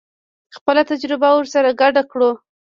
خپله تجربه ورسره ګډه کړو.